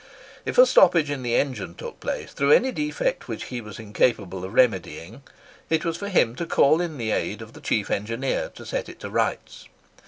If a stoppage in the engine took place through any defect which he was incapable of remedying, it was for him to call in the aid of the chief engineer to set it to rights.